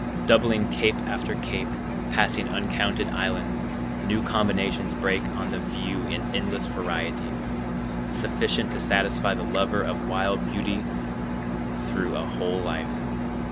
Doubling cape after cape, passing uncounted islands, new combinations break on the view in endless variety, sufficient to satisfy the lover of wild beauty through a whole life.